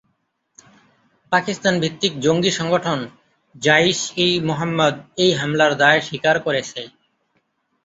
পাকিস্তান ভিত্তিক জঙ্গি সংগঠন জাইশ-ই-মোহাম্মদ এই হামলার দায় স্বীকার করেছে।